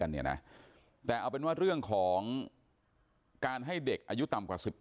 ตอนนี้กำลังจะโดดเนี่ยตอนนี้กำลังจะโดดเนี่ย